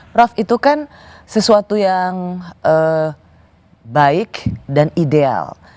prof itu kan sesuatu yang baik dan ideal